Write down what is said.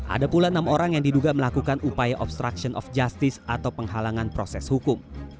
ada pula enam orang yang diduga melakukan upaya obstruction of justice atau penghalangan proses hukum